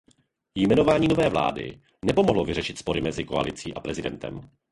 Jmenování nové vlády nepomohlo vyřešit spory mezi koalicí a prezidentem.